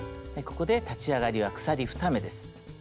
ここで立ち上がりは鎖２目です。